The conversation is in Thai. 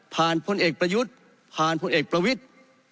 พลเอกประยุทธ์ผ่านพลเอกประวิทธิ์